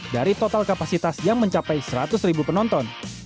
dari total kapasitas yang mencapai seratus ribu penonton